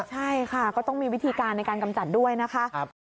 ใช่ค่ะก็ต้องมีวิธีการในการกำจัดด้วยนะคะ